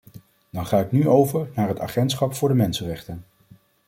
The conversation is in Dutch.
Dan ga ik nu over naar het agentschap voor de mensenrechten.